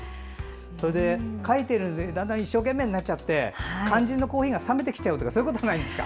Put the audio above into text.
描いているとだんだん一生懸命になっちゃって肝心のコーヒーが冷めてきちゃうとかないですか。